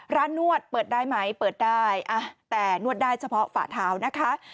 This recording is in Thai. นวดเปิดได้ไหมเปิดได้แต่นวดได้เฉพาะฝาเท้านะคะ